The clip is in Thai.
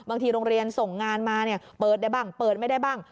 บางทีโรงเรียนส่งงานมาเปิดได้บ้างเปิดไม่ได้บ้าง